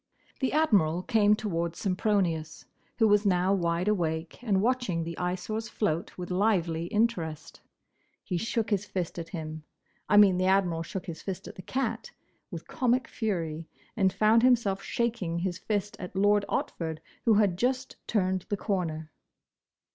The Admiral came towards Sempronius, who was now wide awake and watching the Eyesore's float with lively interest; he shook his fist at him—I mean the Admiral shook his fist at the cat—with comic fury, and found himself shaking his fist at Lord Otford, who had just turned the corner.